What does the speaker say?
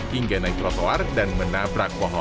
hingga naik trotoar dan menabrak pohon